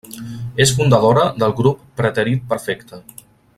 És fundadora del grup Preterit Perfecte.